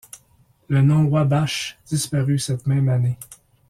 Le nom Wabash disparut cette même année.